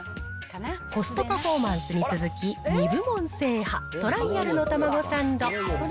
コストパフォーマンスに続き、２部門制覇、トライアルの玉子サンド。